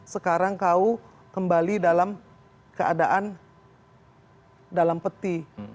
sekarang kau kembali dalam keadaan dalam peti